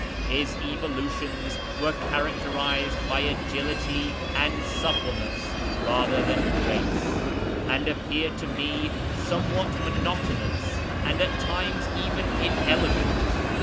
His evolutions were characterised by agility and suppleness rather than grace, and appeared to me somewhat monotonous, and at times even inelegant.